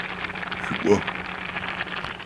Шъукӏо!